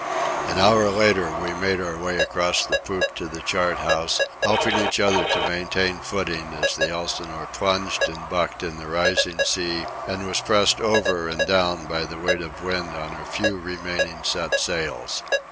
An hour later we made our way across the poop to the chart house, helping each other to maintain footing as the Elsinore plunged and bucked in the rising sea and was pressed over and down by the weight of wind on her few remaining set sails.